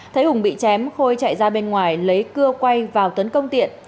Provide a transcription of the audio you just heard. thấy hùng bị chém khôi chạy ra bên ngoài lấy cưa quay vào tấn công tiện